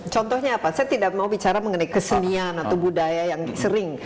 contohnya apa saya tidak mau bicara mengenai kesenian atau budaya yang sering